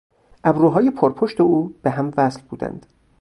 ابروهای پرپشت او به هم وصل بودند.